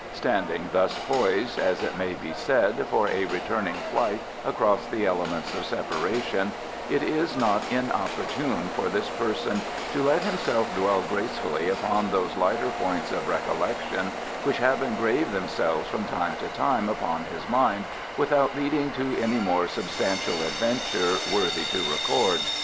Standing thus poised, as it may be said, for a returning flight across the elements of separation, it is not inopportune for this person to let himself dwell gracefully upon those lighter points of recollection which have engraved themselves from time to time upon his mind without leading to any more substantial adventure worthy to record.